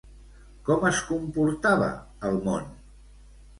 Com es comportava el món?